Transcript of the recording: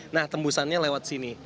nah tembusannya lewat sini